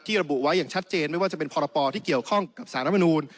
ระบุไว้อย่างชัดเจนไม่ว่าจะเป็นพรปที่เกี่ยวข้องกับสารรัฐมนูล